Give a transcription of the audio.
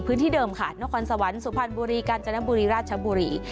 พื้นที่เดิมค่ะนครสวรรค์สุพรรณบุรีกาญจนบุรีราชบุรี